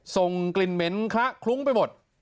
ส่งกลิ่นเหม็นคละคลุ้งไปหมด